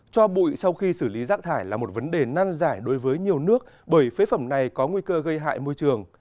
cho bụi sau khi xử lý rác thải là một vấn đề nan giải đối với nhiều nước bởi phế phẩm này có nguy cơ gây hại môi trường